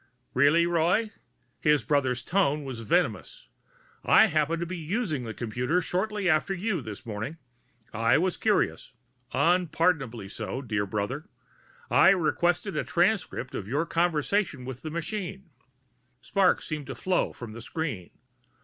"Really, Roy?" His brother's tone was venomous. "I happened to be using the computer shortly after you this morning. I was curious unpardonably so, dear brother. I requested a transcript of your conversation with the machine." Sparks seemed to flow from the screen.